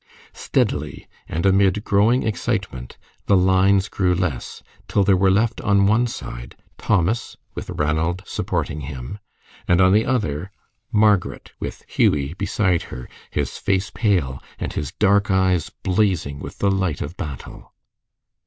Steadily, and amid growing excitement, the lines grew less, till there were left on one side, Thomas, with Ranald supporting him, and on the other Margaret, with Hughie beside her, his face pale, and his dark eyes blazing with the light of battle.